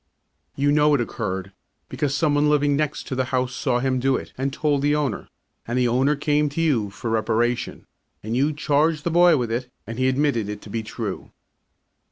You know it occurred, because some one living next to the house saw him do it and told the owner, and the owner came to you for reparation and you charged the boy with it and he admitted it to be true.